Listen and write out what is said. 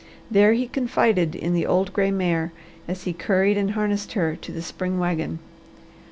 There he confided in the old gray mare as he curried and harnessed her to the spring wagon.